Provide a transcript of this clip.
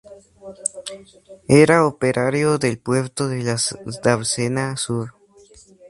Era operario del puerto de la dársena sur.